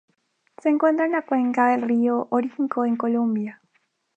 Se encuentra en la cuenca del río Orinoco en Colombia.